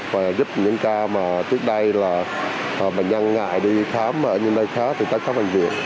và giúp những ca mà trước đây là bệnh nhân ngại đi khám ở những nơi khác thì các khám bệnh viện